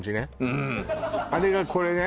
うんあれがこれね？